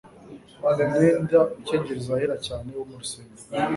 Umwenda ukingiriza ahera cyane wo mu rusengero,